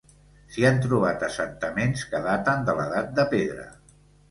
S'hi han trobat assentaments que daten de l'edat de pedra.